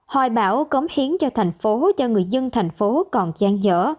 hỏi bảo cống hiến cho thành phố cho người dân thành phố còn gian dở